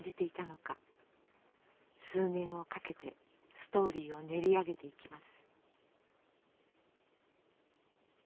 数年をかけてストーリーを練り上げていきます。